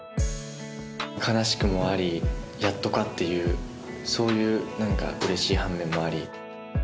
悲しくもありやっとかっていうそういう何か嬉しい反面もあり